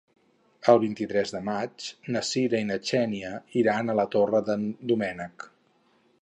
El vint-i-tres de maig na Cira i na Xènia iran a la Torre d'en Doménec.